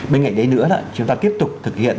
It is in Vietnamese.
bên cạnh đấy nữa chúng ta tiếp tục thực hiện